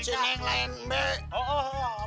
masih orang juga belum boleh nikah